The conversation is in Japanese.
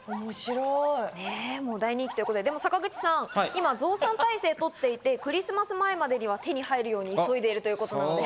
大人気ということで、坂口さん、今増産体制をとっていて、クリスマス前までには手に入るように急いでいるということです。